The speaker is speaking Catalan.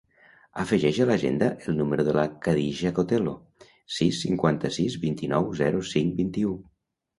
Afegeix a l'agenda el número de la Khadija Cotelo: sis, cinquanta-sis, vint-i-nou, zero, cinc, vint-i-u.